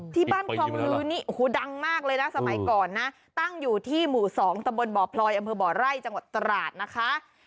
คลองลือนี่โอ้โหดังมากเลยนะสมัยก่อนนะตั้งอยู่ที่หมู่๒ตะบนบ่อพลอยอำเภอบ่อไร่จังหวัดตราดนะคะ